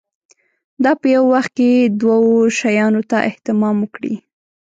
دا په یوه وخت کې دوو شیانو ته اهتمام وکړي.